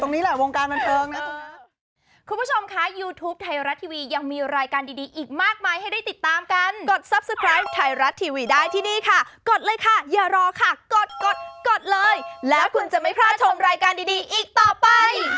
มันก็วนกันอยู่ตรงนี้แหละวงการบรรเทิงนะ